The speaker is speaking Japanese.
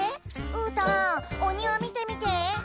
うーたんおにわみてみて！